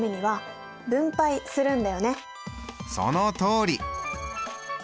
そのとおり。